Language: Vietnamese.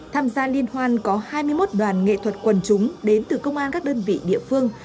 tham gia liên hoan có hai mươi một đoàn nghệ thuật quần chúng đến từ công an các đơn vị địa phương